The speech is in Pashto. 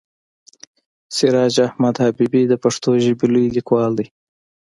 سراج احمد حبیبي د پښتو ژبې لوی لیکوال دی.